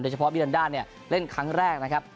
โดยเฉพาะบิลันด้าเล่นครั้งแรกนะครับ